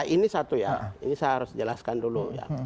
ini satu ya ini saya harus jelaskan dulu ya